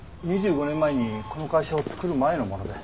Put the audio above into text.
２５年前にこの会社を作る前のもので。